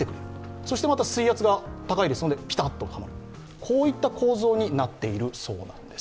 そしてまた水圧が高いのでピタッとはまるという構造になっているそうです。